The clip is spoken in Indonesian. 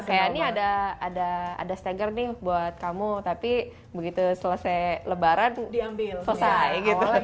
kayaknya ini ada stagger nih buat kamu tapi begitu selesai lebaran selesai